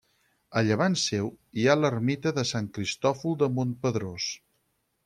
A llevant seu hi ha l'ermita de Sant Cristòfol de Montpedrós.